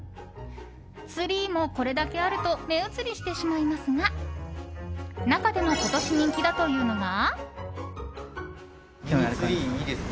ツリーもこれだけあると目移りしてしまいますが中でも今年人気だというのが。